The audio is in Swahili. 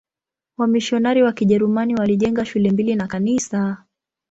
Wamisionari wa Kijerumani walijenga shule mbili na kanisa.